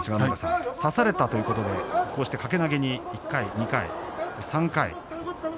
差されたということで掛け投げに１回２回３回。